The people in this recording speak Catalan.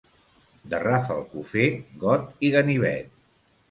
De Rafelcofer, got i ganivet.